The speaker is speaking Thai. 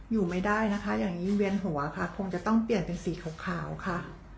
อยู่ไม่ได้นะคะอย่างนี้เวียนหัวค่ะคงจะต้องเปลี่ยนเป็นสีขาวค่ะ